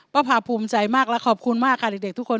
ภาพภูมิใจมากและขอบคุณมากค่ะเด็กทุกคน